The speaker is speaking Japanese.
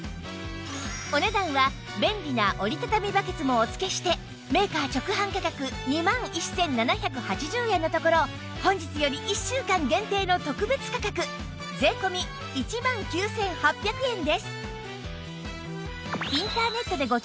お値段は便利な折りたたみバケツもお付けしてメーカー直販価格２万１７８０円のところ本日より１週間限定の特別価格税込１万９８００円です